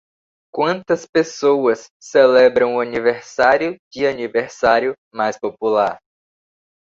Quantas pessoas celebram o aniversário de aniversário mais popular?